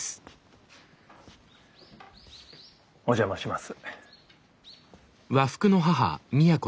お邪魔します。